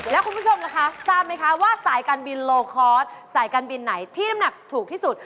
แล้วคุณผู้ชมล่ะคะทราบไหมคะว่าสายการบินโลคอร์สสายการบินไหนที่น้ำหนักถูกที่สุด